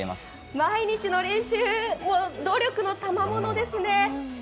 毎日の練習、努力のたまものですね。